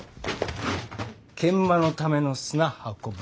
研磨のための砂運ぶ。